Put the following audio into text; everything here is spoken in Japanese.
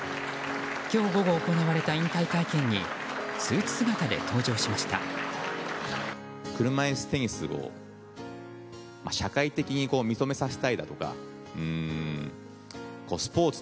今日午後行われた引退会見にスーツ姿で登場しました。